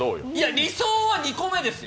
理想は２個目ですよ。